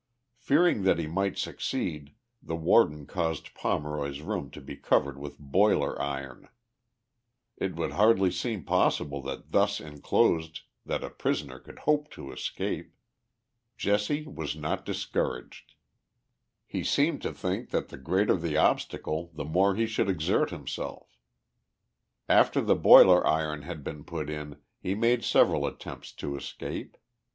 Fearing that he might succeed the Warden caused Pomeroy's room to be covered with boiler iron. It would hardly seem pos sible that thus inclosed that a prisoner could hope to escape. Jesse was not discouraged. He seemed to think that the greater the obstacle the more he should exert himself. After the boiler iron had been put in he made several at tempts to escape.